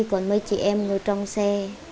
còn mấy chị em ngồi trong xe